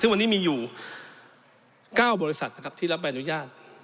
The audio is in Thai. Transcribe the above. ซึ่งวันนี้มีอยู่๙บริษัทนะครับที่รับใบอนุญาต